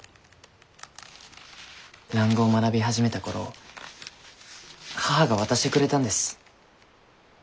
蘭語を学び始めた頃母が渡してくれたんです。